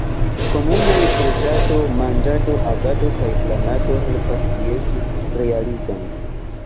Komunaj preĝado, manĝado, agado kaj planado helpas ties realigon.